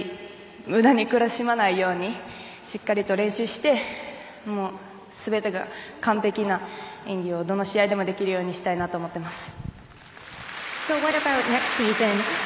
無駄に苦しまないようにしっかりと練習して全てが完璧な演技をどの試合でもできるようにしたいなと思っています。